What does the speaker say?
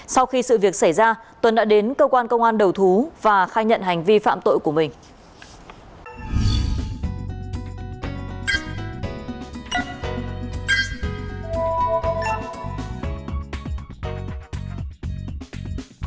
sau khi sự việc xảy ra tuấn đã đến cơ quan công an đầu thú và khai nhận hành vi phạm tội của mình